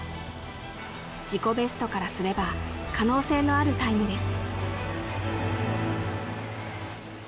自己ベストからすれば可能性のあるタイムです